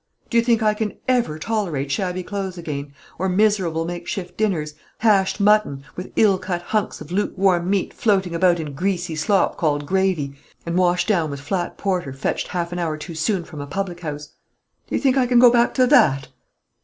Do you think I can ever tolerate shabby clothes again, or miserable make shift dinners, hashed mutton, with ill cut hunks of lukewarm meat floating about in greasy slop called gravy, and washed down with flat porter fetched half an hour too soon from a public house, do you think I can go back to that?